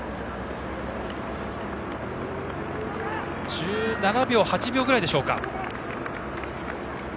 １７秒１８秒ぐらいでしょうか。